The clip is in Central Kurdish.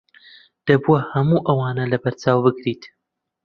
دەبوو هەموو ئەوانە لەبەرچاو بگریت.